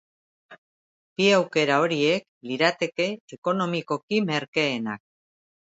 Bi aukera horiek lirateke ekonomikoki merkeenak.